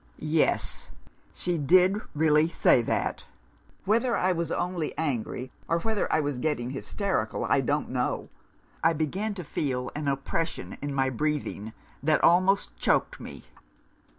"Yes; she did really say that! Whether I was only angry, or whether I was getting hysterical, I don't know. I began to feel an oppression in my breathing that almost choked me.